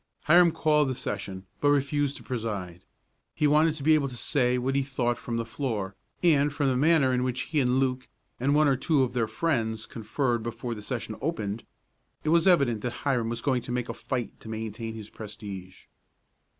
Hiram called the session, but refused to preside. He wanted to be able to say what he thought from the floor, and from the manner in which he and Luke and one or two of their friends conferred before the session opened, it was evident that Hiram was going to make a fight to maintain his prestige.